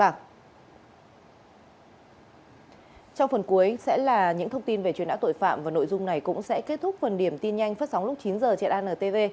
trong phần cuối sẽ là những thông tin về truy nã tội phạm và nội dung này cũng sẽ kết thúc phần điểm tin nhanh phát sóng lúc chín h trên antv